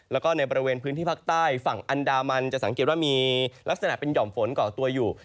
แล้วก็ในบริเวณพื้นที่ภาคใต้ฝั่งอันดามันจะสังเกตว่ามีลักษณะเป็นห่อมฝนก่อตัวอยู่